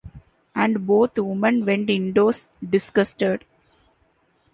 And both women went indoors disgusted.